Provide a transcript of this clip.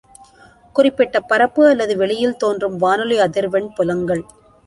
குறிப்பிட்ட பரப்பு அல்லது வெளியில் தோன்றும் வானொலி அதிர்வெண் புலங்கள்.